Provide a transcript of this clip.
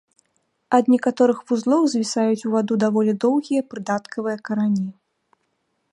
Ад некаторых вузлоў звісаюць у ваду даволі доўгія прыдаткавыя карані.